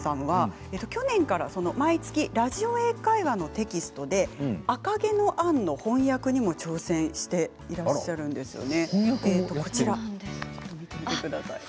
上白石さんは去年から毎月「ラジオ英会話」のテキストで「赤毛のアン」の翻訳にも挑戦していらっしゃるんですよね。